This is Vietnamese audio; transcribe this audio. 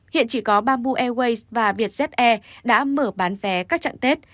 hiện chỉ có bamboo airways và vietjet air đã mở bán vé các trạng tết